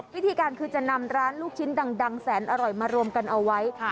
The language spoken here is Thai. วิธีการคือจะนำร้านลูกชิ้นดังแสนอร่อยมารวมกันเอาไว้